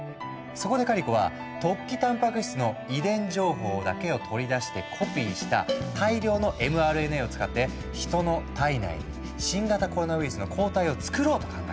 そこでカリコは突起たんぱく質の遺伝情報だけを取り出してコピーした大量のｍＲＮＡを使って人の体内に新型コロナウイルスの抗体をつくろうと考えた。